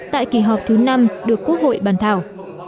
tại kỳ họp thứ năm được quốc hội bàn thảo